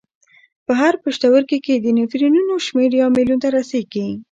په هر پښتورګي کې د نفرونونو شمېر یو میلیون ته رسېږي.